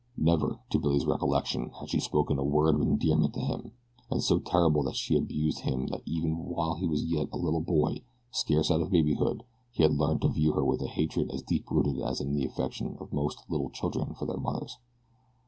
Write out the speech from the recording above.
Never, to Billy's recollection, had she spoken a word of endearment to him; and so terribly had she abused him that even while he was yet a little boy, scarce out of babyhood, he had learned to view her with a hatred as deep rooted as is the affection of most little children for their mothers.